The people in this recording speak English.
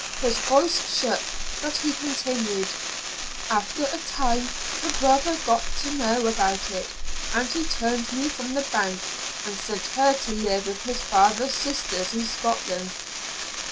His voice shook, but he continued. "After a time her brother got to know about it, and he turned me from the bank, and sent her to live with his father's sisters in Scotland.